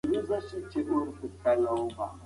خلګ بايد يو د بل مرستيالان واوسي تر څو ارامي راسي.